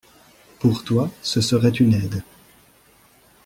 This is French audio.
Pour toi, ce serait une aide.